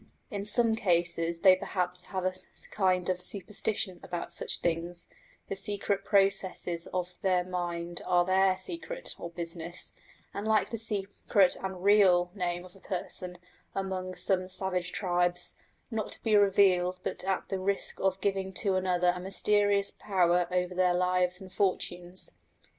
In some cases they perhaps have a kind of superstition about such things: the secret processes of their mind are their secret, or "business," and, like the secret and real name of a person among some savage tribes, not to be revealed but at the risk of giving to another a mysterious power over their lives and fortunes.